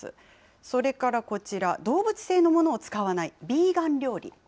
それからこちら、動物性のものを使わないビーガン料理。